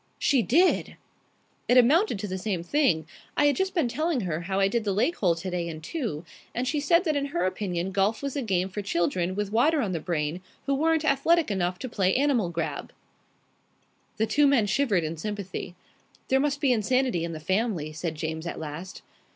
"She did!" "It amounted to the same thing. I had just been telling her how I did the lake hole today in two, and she said that in her opinion golf was a game for children with water on the brain who weren't athletic enough to play Animal Grab." The two men shivered in sympathy. "There must be insanity in the family," said James at last.